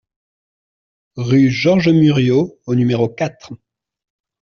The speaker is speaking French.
Rue Georges Muriot au numéro quatre